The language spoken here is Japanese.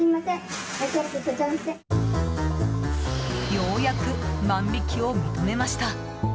ようやく万引きを認めました。